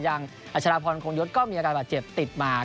อัชราพรคงยศก็มีอาการบาดเจ็บติดมา